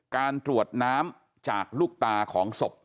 การตรวจน้ำจากลูกตาของศพ